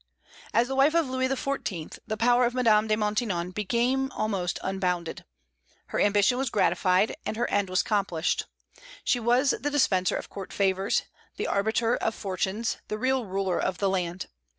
As the wife of Louis XIV. the power of Madame de Maintenon became almost unbounded. Her ambition was gratified, and her end was accomplished. She was the dispenser of court favors, the arbiter of fortunes, the real ruler of the land.